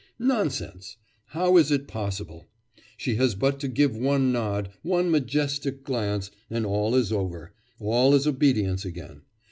Nonsense! how is it possible: she has but to give one nod, one majestic glance and all is over, all is obedience again.